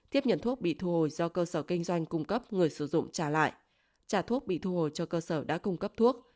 tiếp nhận thuốc bị thu hồi do cơ sở kinh doanh cung cấp người sử dụng trả lại trả thuốc bị thu hồi cho cơ sở đã cung cấp thuốc